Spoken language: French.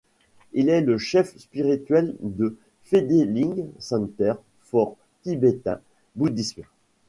Il est le chef spirituel de Phendeling Center for tibétain Bouddhisme.